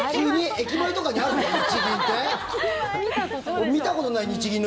駅前とかにあるの？